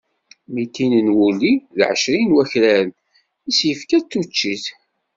Mitin n wulli d ɛecrin n wakraren i s-yefka d tuččit.